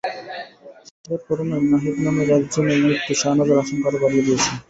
শাহবাগের ঘটনায় নাহিদ নামের একজনের মৃত্যু শাহনাজের আশঙ্কা আরও বাড়িয়ে দিয়েছে।